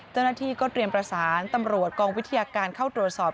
เจ้าหน้าที่ก็เตรียมประสานตำรวจกองวิทยาการเข้าตรวจสอบ